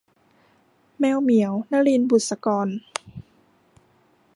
แมวเหมียว - นลิน บุษกร